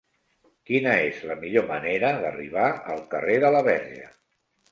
Quina és la millor manera d'arribar al carrer de la Verge?